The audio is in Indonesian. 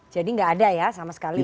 jadi nggak ada ya sama sekali ya